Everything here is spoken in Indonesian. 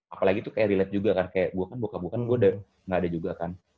apalagi itu kayak relate juga kan kayak gue kan bokap bukan gue udah nggak ada juga kan